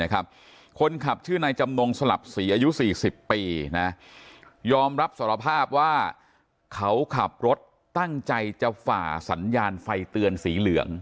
คนขับชื่อนายจำนงสลับศรีอายุ๔๐ปียอมรับสารภาพว่าเขาขับรถตั้งใจจะฝ่าสัญญาณไฟเตือนสีเหลือง